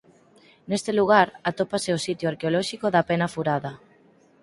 Neste lugar atopase o sitio arqueolóxico da Pena Furada.